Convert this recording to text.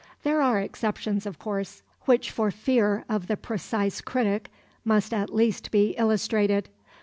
There are exceptions, of course, which for fear of the precise critic must at least be illustrated.